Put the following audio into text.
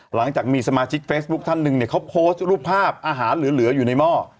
หลังจากมีสมาชิกเฟซบุ๊คท่านหนึ่งเนี่ยเขาโพสต์รูปภาพอาหารเหลืออยู่ในหม้อ